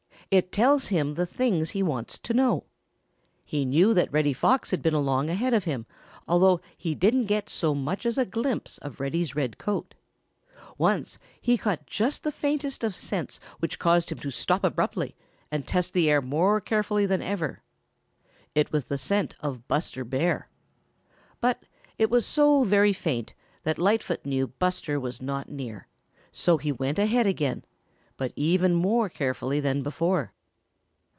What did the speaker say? It tells him the things he wants to know. He knew that Reddy Fox had been along ahead of him, although he didn't get so much as a glimpse of Reddy's red coat. Once he caught just the faintest of scents which caused him to stop abruptly and test the air more carefully than ever. It was the scent of Buster Bear. But it was so very faint that Lightfoot knew Buster was not near, so he went ahead again, but even more carefully than before.